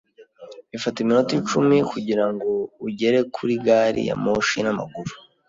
Bifata iminota icumi kugirango ugere kuri gari ya moshi n'amaguru.